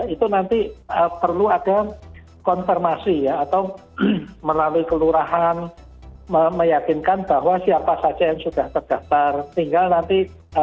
itu nanti perlu ada konfirmasi ya atau melalui kelurahan meyakinkan bahwa siapa saja yang sudah terdaftar tinggal nanti